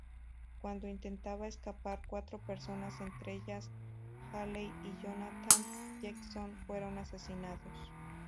Cuando intentaban escapar, cuatro personas, entre ellas Haley y Jonathan Jackson fueron asesinadas.